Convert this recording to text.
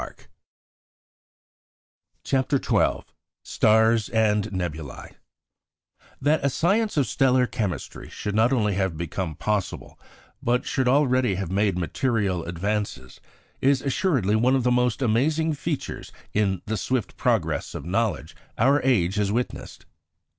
] CHAPTER XII STARS AND NEBULÆ That a science of stellar chemistry should not only have become possible, but should already have made material advances, is assuredly one of the most amazing features in the swift progress of knowledge our age has witnessed.